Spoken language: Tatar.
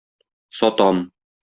Сатам.